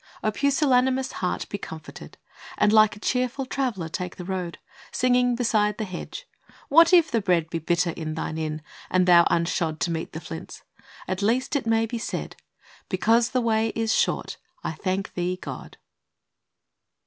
O pusillanimous Heart, be comforted, And like a cheerful traveller, take the road, Singing beside the hedge. What if the bread Be bitter in thine inn, and thou unshod To meet the flints ? At least it may be said, " Because the way is short , I thank Thee, God